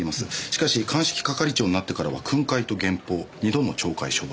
しかし鑑識係長になってからは訓戒と減俸二度の懲戒処分。